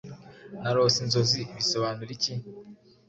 Narose inzozi! Bisobanura iki?